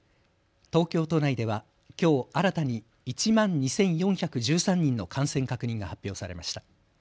東京都内ではきょう新たに１万２４１３人の感染確認が発表されました。